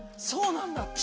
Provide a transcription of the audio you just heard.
そうなんだ。